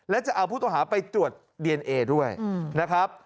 และจะเอาผู้ต้องหาไปตรวจดีเอนเอด้วยนะครับ